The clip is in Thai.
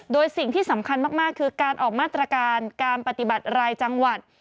โดยสิ่งที่สำคัญมากคือการออกมาตรการการปฏิบัติรายจังหวัด